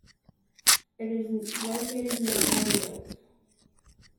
It is located near Holyoke.